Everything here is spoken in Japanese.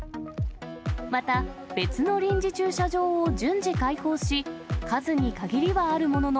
また別の臨時駐車場を順次開放し、数に限りはあるものの、